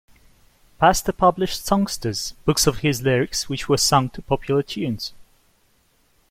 Pastor published "songsters", books of his lyrics which were sung to popular tunes.